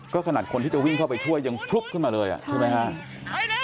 ก็ขนาดคนที่จะวิ่งเข้าไปช่วยยังพลุบขึ้นมาเลยใช่ไหมครับ